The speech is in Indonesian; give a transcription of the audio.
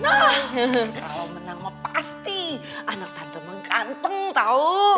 nah kalau menang pasti anak tante mengganteng tau